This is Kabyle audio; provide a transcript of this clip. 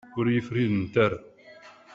Ur iyi-frinent ara.